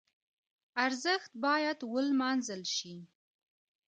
ارزښت باید ولمانځل شي.